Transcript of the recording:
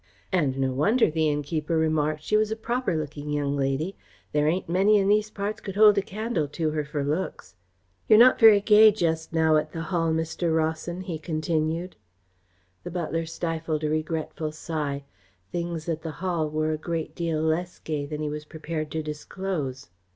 "And no wonder," the innkeeper remarked. "She was a proper looking young lady. There ain't many in these parts could hold a candle to her for looks. You're not very gay just now at the Hall, Mr. Rawson," he continued. The butler stifled a regretful sigh. Things at the Hall were a great deal less gay than he was prepared to disclose.